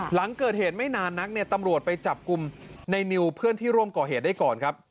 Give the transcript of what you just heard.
หลังเกิดเหตุไม่นานนักเนี่ยตำรวจไปจับกลุ่มในนิวเพื่อนที่ร่วมก่อเหตุได้ก่อนครับ